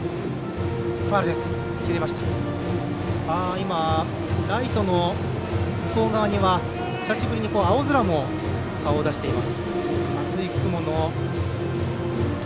今、ライトの向こう側には久しぶりに青空も顔を出しています。